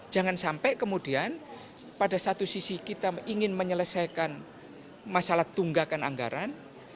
jangan sampai kemudian pada satu sisi kita ingin menyelesaikan masalah tunggakan anggaran